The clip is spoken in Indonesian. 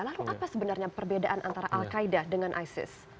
lalu apa sebenarnya perbedaan antara al qaeda dengan isis